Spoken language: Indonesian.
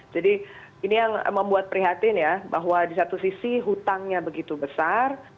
ini yang membuat prihatin ya bahwa di satu sisi hutangnya begitu besar